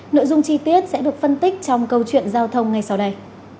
nội dung chi tiết sẽ được phân tích trong câu chuyện giao thông ngay sau đây